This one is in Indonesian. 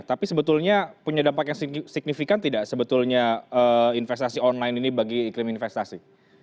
tapi sebetulnya punya dampak yang signifikan tidak sebetulnya investasi online ini bagi iklim investasi